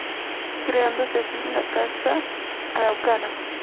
Creándose así la casta Araucana.